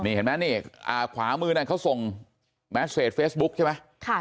อ๋อนี่เห็นไหมนี่อ่าขวามือน่ะเขาส่งเฟสบุ๊คใช่ไหมค่ะ